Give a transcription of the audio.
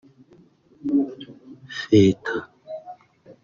feta